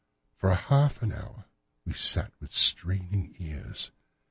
For half an hour I sat with straining ears.